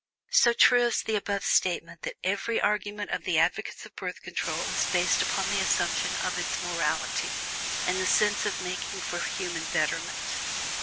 So true is the above statement that every argument of the advocates of Birth Control is based upon the assumption of its "morality," in the sense of making for human betterment.